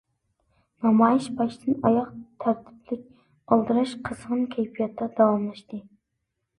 نامايىش باشتىن- ئاياغ تەرتىپلىك، ئالدىراش، قىزغىن كەيپىياتتا داۋاملاشتى.